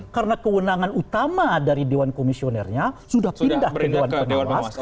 karena kewenangan utama dari dewan komisionernya sudah pindah ke dewan pengawas